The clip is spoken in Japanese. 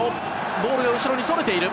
ボールが後ろにそれている。